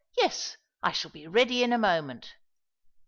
Yes, I shall be ready in a moment."